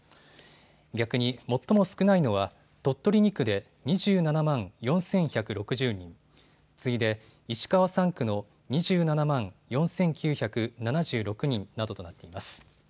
逆に最も少ないのは鳥取２区で２７万４１６０人、次いで石川３区の２７万４９７６人などとなっています。